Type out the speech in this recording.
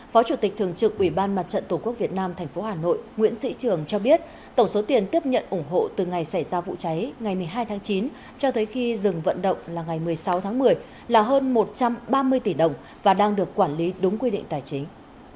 phó chủ tịch thường trực ủy ban mặt trận tổ quốc việt nam tp hà nội nguyễn sĩ trường cho biết tổng số tiền tiếp nhận ủng hộ từ ngày xảy ra vụ cháy ngày một mươi hai tháng chín cho tới khi dừng vận động là ngày một mươi sáu tháng một mươi là hơn một trăm ba mươi tỷ đồng và đang được quản lý đúng quy định tài chính